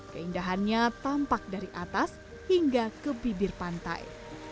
keindahannya tampak dari atas hingga ke bibir pantai